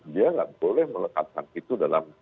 dia nggak boleh melekatkan itu dalam